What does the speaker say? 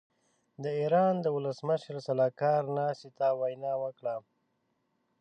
د ايران د ولسمشر سلاکار ناستې ته وینا وکړه.